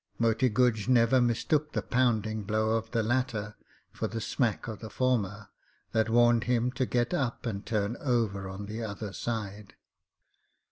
Moti Guj never mistook the pounding blow of the latter for the smack of the former that warned him to get up and turn over on the other side.